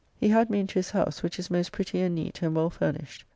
He had me into his house, which is most pretty and neat and well furnished.